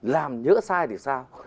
làm nhỡ sai thì sao